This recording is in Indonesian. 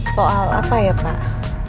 soal apa ya pak